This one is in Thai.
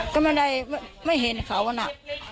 ก็ไม่ได้ไม่เห็นเขาอะนะ